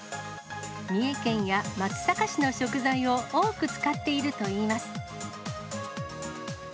三重県や松阪市の食材を多く使っているといいます。